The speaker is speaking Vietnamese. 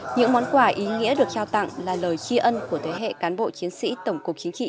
những món quà ý nghĩa được trao tặng là lời tri ân của thế hệ cán bộ chiến sĩ tổng cục chính trị